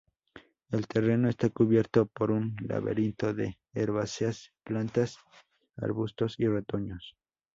El terreno está cubierto con un laberinto de herbáceas, plantas, arbustos y retoños.